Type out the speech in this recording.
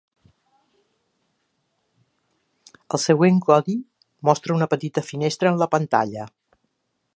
El següent codi mostra una petita finestra en la pantalla.